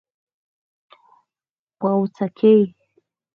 🍄🟫 پوڅکي